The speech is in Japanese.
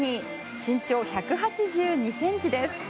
身長１８２ｃｍです。